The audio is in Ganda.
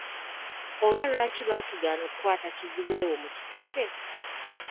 Oba lwaki baatugaana okukwata kizibwe wo mu kiseke?.